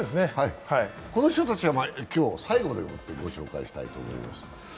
この人たちは今日最後でもってご紹介したいと思います。